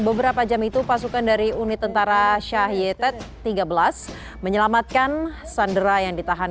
beberapa jam itu pasukan dari unit tentara syahi ted tiga belas menyelamatkan sandera yang ditahan